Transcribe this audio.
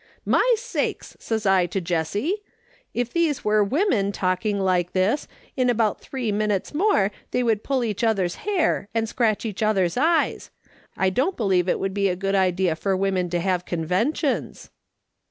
'"My sakes !' says I to Jessie, 'if these were women talking like this, in about three minutes more they would pull each other's hair and scratch each other's eyes. I don't believe it would be a good idea for women to have conventions.'